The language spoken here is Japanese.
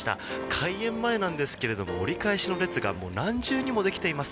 開園前なんですけども折り返しの列が何重にもできています。